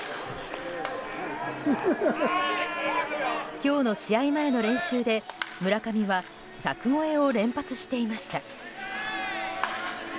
今日の試合前の練習で、村上は柵越えを連発していました。